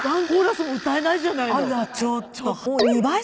あらちょっと。